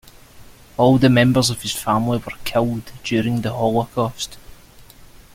All the members of his family were killed during the Holocaust.